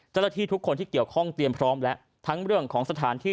เจ้าหน้าที่ทุกคนที่เกี่ยวข้องเตรียมพร้อมแล้วทั้งเรื่องของสถานที่